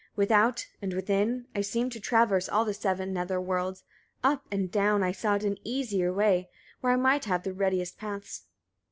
52. Without and within, I seemed to traverse all the seven nether worlds: up and down, I sought an easier way, where I might have the readiest paths.